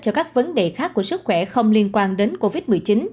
cho các vấn đề khác của sức khỏe không liên quan đến covid một mươi chín